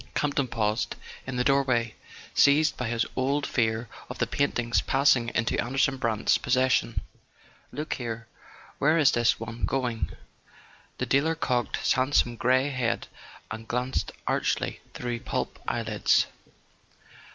Camp ton paused in the doorway, seized by his old fear of the painting's passing into Anderson Brant's possession. "Look here: where is this one going?" The dealer cocked his handsome grey head and glanced archly through plump eyelids.